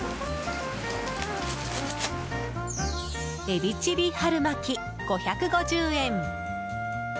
エビチリ春巻き、５５０円。